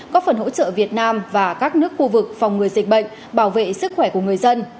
có phần hỗ trợ việt nam và các nước khu vực phòng người dịch bệnh bảo vệ sức khỏe của người dân